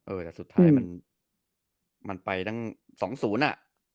แต่สุดท้ายมันไปตั้ง๒๐อ่ะ